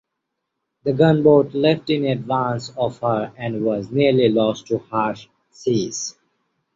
The gunboat left in advance of her and was nearly lost to harsh seas.